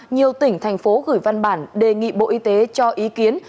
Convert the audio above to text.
nhiều tỉnh thành phố gửi văn bản đề nghị bộ y tế cho ý kiến